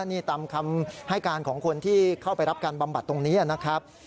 นี่ตามคำให้การของคนที่เข้าไปรับการบำบัดตรงนี้นะครับ